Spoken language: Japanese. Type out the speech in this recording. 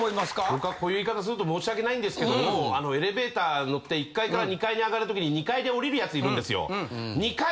僕はこういう言い方すると申し訳ないんですけどもエレベーター乗って１階から２階に上がる時に２階で降りるやついるんですよ。